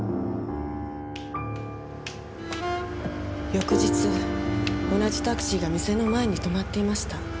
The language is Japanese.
翌日同じタクシーが店の前に停まっていました。